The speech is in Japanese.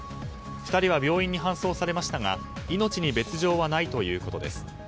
２人は病院に搬送されましたが命に別条はないということです。